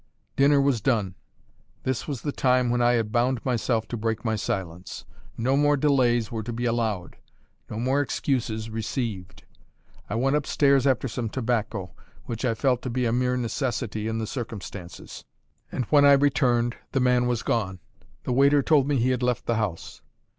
Dinner was done; this was the time when I had bound myself to break my silence; no more delays were to be allowed, no more excuses received. I went upstairs after some tobacco; which I felt to be a mere necessity in the circumstances; and when I returned, the man was gone. The waiter told me he had left the house.